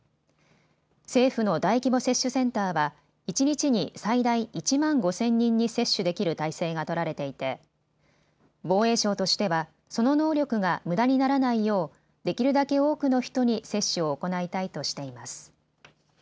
政府の大規模接種センターは一日に最大１万５０００人に接種できる体制が取られていて防衛省としては、その能力がむだにならないようできるだけ多くの人に接種を行いたいとしています。